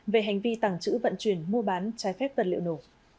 về hành vi tàng trữ vận chuyển mua bán trái phép vật liệu nổ